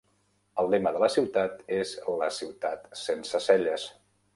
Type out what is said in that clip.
El lema de la ciutat és "la ciutat sense celles".